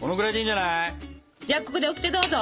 じゃあここでオキテどうぞ！